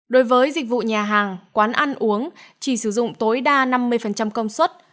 đối với dịch vụ nhà hàng quán ăn uống chỉ sử dụng tối đa năm mươi công suất